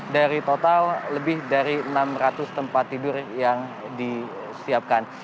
dari total lebih dari enam ratus tempat tidur yang disiapkan